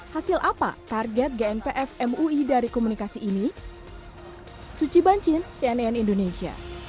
hasil apa target gnpf mui dari komunikasi ini